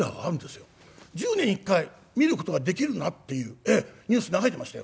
１０年に１回見ることができるんだっていうニュース流れてましたよ。